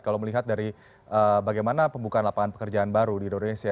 kalau melihat dari bagaimana pembukaan lapangan pekerjaan baru di indonesia